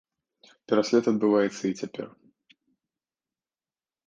Пераслед адбываецца і цяпер.